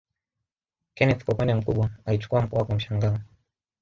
Kenneth kwa upande mkubwa alichukua mkoa kwa mshangao